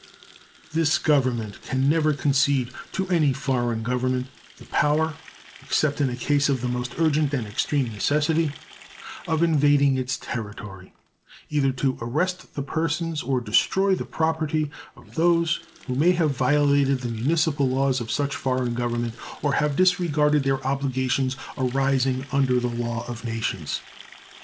This Government can never concede to any foreign government the power, except in a case of the most urgent and extreme necessity, of invading its territory, either to arrest the persons or destroy the property of those who may have violated the municipal laws of such foreign government or have disregarded their obligations arising under the law of nations.